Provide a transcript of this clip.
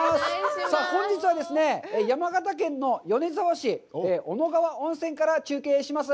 さあ本日はですね、山形県の米沢市、小野川温泉から中継します。